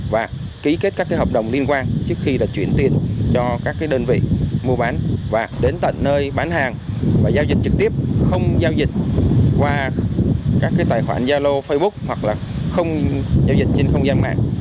và ký kết các hợp đồng liên quan trước khi là chuyển tiền cho các đơn vị mua bán và đến tận nơi bán hàng và giao dịch trực tiếp không giao dịch qua các tài khoản gia lô facebook hoặc là không giao dịch trên không gian mạng